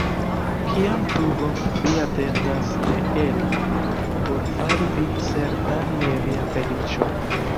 Kian pruvon vi atendas de Ella por fari vin certa je via feliĉo?